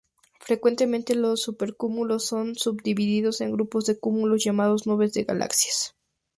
Frecuentemente, los supercúmulos son subdivididos en grupos de cúmulos llamados nubes de galaxias.